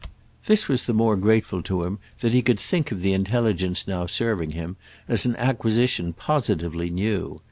This was the more grateful to him that he could think of the intelligence now serving him as an acquisition positively new.